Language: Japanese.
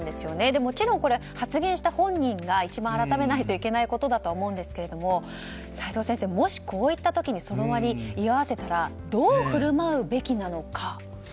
でも、発言した本人が一番改めないといけないことだとは思うんですけど齋藤先生、もしこういった時にその場に居合わせたらどう振る舞うべきなのか。